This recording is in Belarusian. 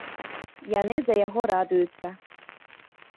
Яны за яго радуюцца.